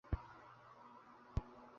তিনি এর অনুমোদন প্রদান করেন।